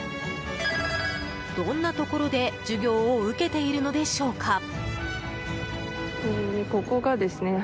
どんなところで授業を受けているのでしょうか？